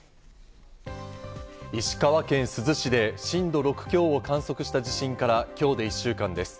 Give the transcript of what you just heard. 石川県珠洲市で震度６強を観測した地震から今日で１週間です。